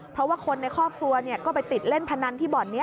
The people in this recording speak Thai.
เพราะว่าคนในครอบครัวก็ไปติดเล่นพนันที่บ่อนนี้